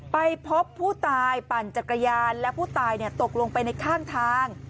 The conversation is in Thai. ไปพบผู้ตายปั่นจักรยานและผู้ตายตกลงไปในข้างทาง